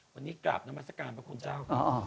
วันนี้กราบนามศักรรณ์พระคุณเจ้า